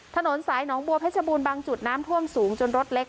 ถนนสายหนองบัวเพชรบูรณ์บางจุดน้ำท่วมสูงจนรถเล็ก